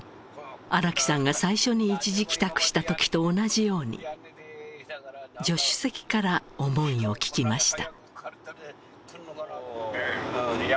荒木さんが最初に一時帰宅した時と同じように助手席から思いを聞きました